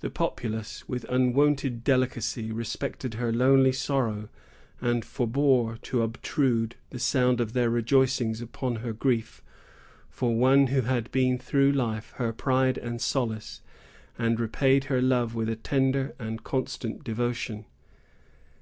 The populace, with unwonted delicacy, respected her lonely sorrow, and forbore to obtrude the sound of their rejoicings upon her grief for one who had been through life her pride and solace, and repaid her love with a tender and constant devotion.